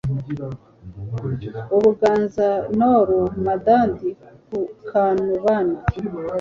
UbuganzaNord Medardi Kanubana